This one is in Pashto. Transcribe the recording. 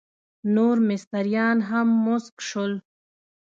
نور مستریان هم مسک شول.